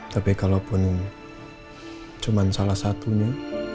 tapi kalau pun cuma salah satunya